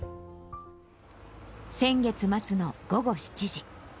先月末の午後７時。